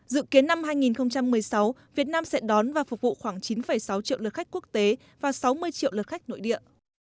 dự kiến năm hai nghìn một mươi sáu việt nam sẽ đón và phục vụ khoảng chín sáu triệu lượt khách quốc tế và sáu mươi triệu lượt khách nội địa